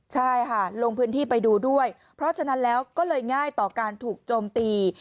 ใช่ค่ะลงพื้นที่ไปดูด้วยเพราะฉะนั้นแล้วก็เลยง่ายต่อการถูกโจมตี